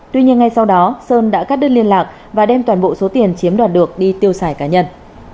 tuy nhiên ngay sau đó sơn đã cắt đứt liên lạc và đem toàn bộ số tiền chiếm đoạt được đi tiêu xài cá nhân